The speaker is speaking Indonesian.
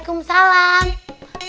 sampai jumpa lagi